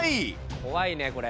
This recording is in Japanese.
怖いねこれ。